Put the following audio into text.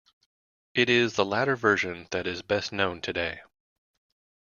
It is the latter version that is best known today.